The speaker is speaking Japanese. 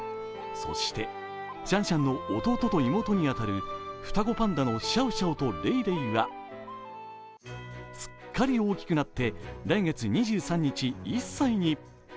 そしてシャンシャンの弟と妹に当たる双子パンダのシャオシャオとレイレイはすっかり大きくなって来月２３日、１歳に。